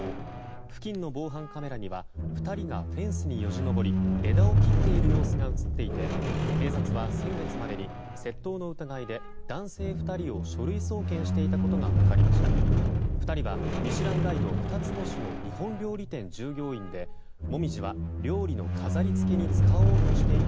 付近の防犯カメラには２人がフェンスによじ登り枝を切っている様子が映っていて警察は先月までに窃盗の疑いで男性２人を書類送検していたことが分かりました。